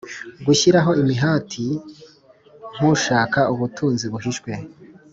gushyiraho imihati nk ushaka ubutunzi buhishwe